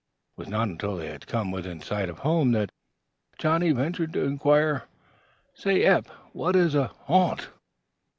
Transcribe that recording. It was not until they had come within sight of home that Johnnie ventured to inquire: "Say, Eph, what is a ha'nt?"